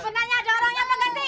sebenarnya ada orang yang mau ganti